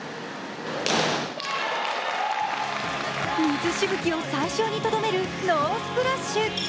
水しぶきを最小にとどめるノースプラッシュ。